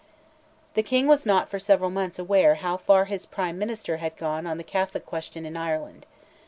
The King was not for several months aware how far his Prime Minister had gone on the Catholic question in Ireland.